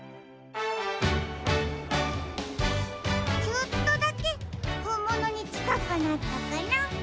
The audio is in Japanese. ちょっとだけほんものにちかくなったかな。